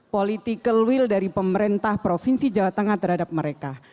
political will dari pemerintah provinsi jawa tengah terhadap mereka